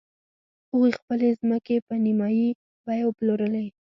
هغوی خپلې ځمکې په نیمايي بیه وپلورلې.